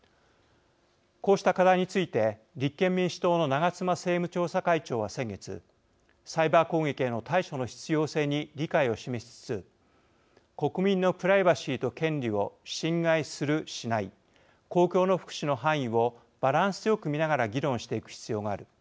こうした課題について立憲民主党の長妻政務調査会長は先月サイバー攻撃への対処の必要性に理解を示しつつ「国民のプライバシーと権利を侵害するしない公共の福祉の範囲をバランスよく見ながら議論していく必要がある。